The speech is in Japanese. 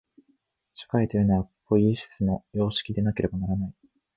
社会というのは、ポイエシスの様式でなければならない。